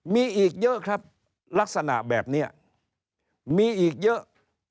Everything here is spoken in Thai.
มีอีกเยอะครับลักษณะแบบนี้มีอีกเยอะ